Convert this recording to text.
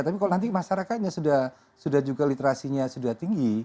tapi kalau nanti masyarakatnya sudah juga literasinya sudah tinggi